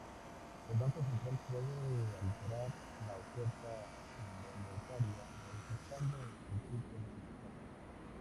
El banco central puede alterar la oferta monetaria modificando el tipo de descuento.